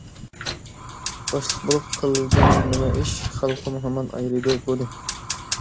باشلىق بولۇپ قىلدىڭ نېمە ئىش؟ خەلقىم ھامان ئايرىيدۇ بۇنى.